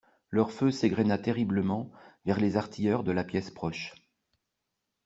Leur feu s'égrena terriblement vers les artilleurs de la pièce proche.